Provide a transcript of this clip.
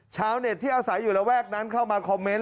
ชาวเน็ตที่อาศัยอยู่ระแวกนั้นเข้ามาคอมเมนต์